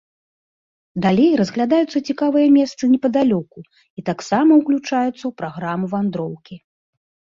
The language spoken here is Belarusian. Далей разглядаюцца цікавыя месцы непадалёку і таксама ўключаюцца ў праграму вандроўкі.